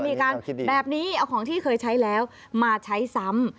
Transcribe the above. มีการแบบนี้เอาของที่เคยใช้แล้วมาใช้ซ้ำ